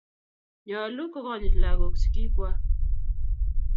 Nyalu kokonyit lagok sigik kwag.